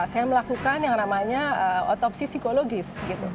saya melakukan yang namanya otopsi psikologis